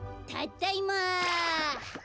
たっだいま。